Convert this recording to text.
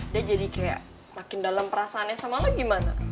dia jadi kayak makin dalam perasaannya sama lo gimana